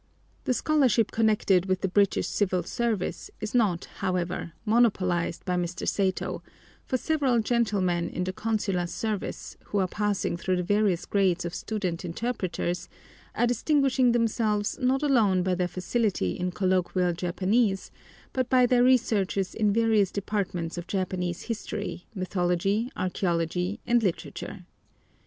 The scholarship connected with the British Civil Service is not, however, monopolised by Mr. Satow, for several gentlemen in the consular service, who are passing through the various grades of student interpreters, are distinguishing themselves not alone by their facility in colloquial Japanese, but by their researches in various departments of Japanese history, mythology, archæology, and literature.